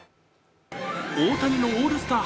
大谷のオールスター